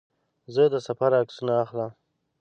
زه د سفر عکسونه اخلم.